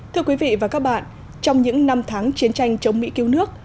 thưa quý vị và các bạn trong những năm tháng chiến tranh chống mỹ cứu nước